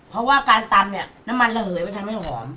เพราะว่าการตำเนี่ยน้ำมันระเหยมันทำให้หอม